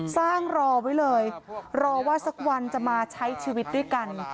รอไว้เลยรอว่าสักวันจะมาใช้ชีวิตด้วยกัน